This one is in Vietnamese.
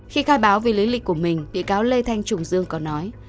khi khai báo về lý lịch của mình bị cáo lê thanh trùng dương có nói